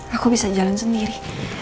aku bisa jalan sendiri